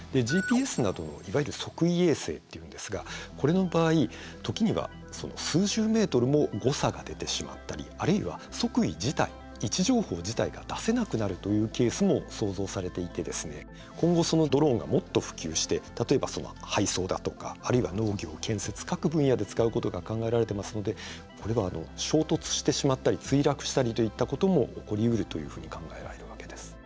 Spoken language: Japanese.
ＧＰＳなどのいわゆる測位衛星っていうんですがこれの場合時には数十メートルも誤差が出てしまったりあるいは測位自体位置情報自体が出せなくなるというケースも想像されていて今後ドローンがもっと普及して例えば配送だとかあるいは農業建設各分野で使うことが考えられてますのでこれは衝突してしまったり墜落したりといったことも起こりうるというふうに考えられるわけです。